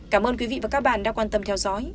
cảm ơn quý vị và các bạn đã quan tâm theo dõi